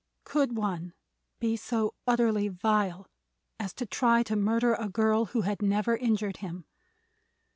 Could one be so utterly vile as to try to murder a girl who had never injured him?